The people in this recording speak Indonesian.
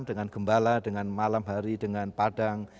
dengan gembala dengan malam hari dengan padang